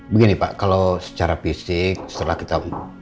begini pak kalau secara fisik setelah kita